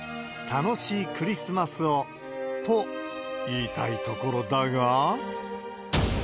楽しいクリスマスを、と言いたいところだが。